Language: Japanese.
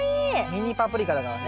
ミニパプリカだからね。